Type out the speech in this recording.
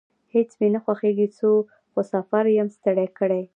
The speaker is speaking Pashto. هیڅ مې نه خوښیږي، خو سفر یم ستړی کړی